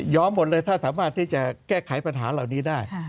หมดเลยถ้าสามารถที่จะแก้ไขปัญหาเหล่านี้ได้